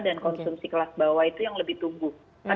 dan konsumsi kelas bawah itu yang lebih tumbuh